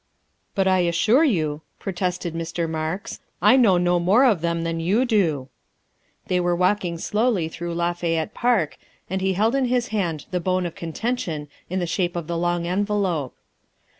" But I assure you," protested Mr. Marks, " I know no more of them than you do." They were walking slowly through Lafayette Park, and he held in his hand the bone of contention in the shape of the long envelope.